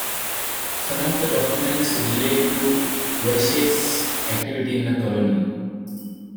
Some of the documents relate to Wyche's activity in the colony.